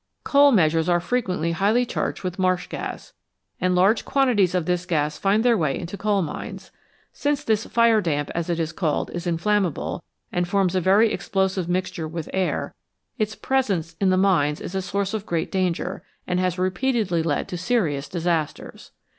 Coal measures are frequently highly charged with marsh gas, and large quantities of this gas find their way into coal mines. Since this " fire damp," as it is called, is inflammable, and forms a very explosive mixture with air, its presence in these mines is a source of great danger, and has repeatedly led to serious disasters.